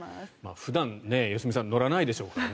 普段、良純さん乗らないでしょうからね。